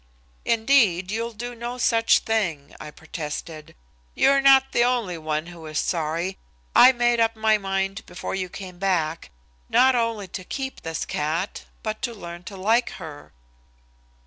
"Indeed, you'll do no such thing," I protested. "You're not the only one who is sorry, I made up my mind before you came back not only to keep this cat, but to learn to like her."